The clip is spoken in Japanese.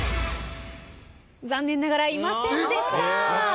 残念ながらいませんでした。